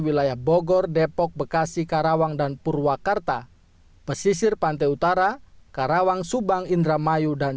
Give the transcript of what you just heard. wilayah bogor depok bekasi karawang dan purwakarta pesisir pantai utara karawang subang indramayu dan